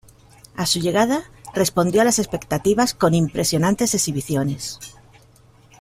A su llegada, respondió a las expectativas con impresionantes exhibiciones.